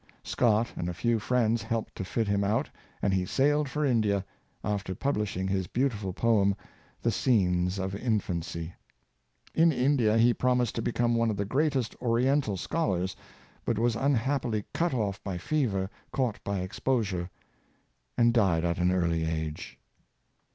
Scott and a few friends helped to fit him out; and he sailed for India, after publishing his beautiful poem, " The Scenes of In fancy." In India he promised to become one of the greatest of oriental scholars, but was unhappily cut off by fever caught by exposure, and died at an early age.